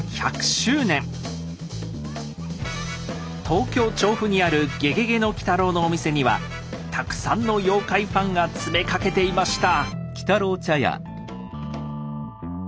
東京・調布にある「ゲゲゲの鬼太郎」のお店にはたくさんの妖怪ファンが詰めかけていました。